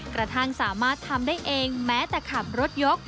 กระทั่งสามารถทำได้เองแม้แต่ขับรถยก